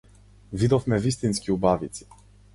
Видовме вистински убавици.